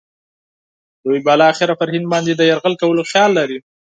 دوی بالاخره پر هند باندې د یرغل کولو خیال لري.